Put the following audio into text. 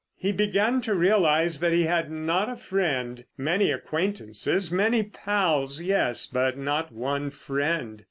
He began to realise that he had not a friend; many acquaintances—many pals, yes—but not one friend!